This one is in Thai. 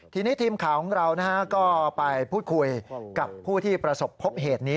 ทีนี้ทีมข่าวของเราก็ไปพูดคุยกับผู้ที่ประสบพบเหตุนี้